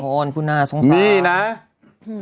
โทนผู้น่าสงสาร